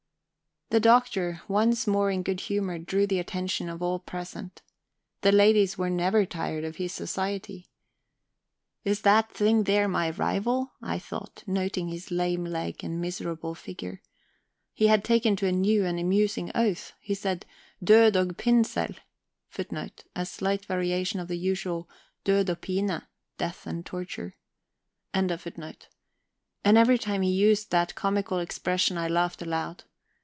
The Doctor, once more in good humor, drew the attention of all present. The ladies were never tired of his society. Is that thing there my rival? I thought, noting his lame leg and miserable figure. He had taken to a new and amusing oath: he said Död og Pinsel, [Footnote: A slight variation of the usual Död og Pine (death and torture).] and every time he used that comical expression I laughed aloud.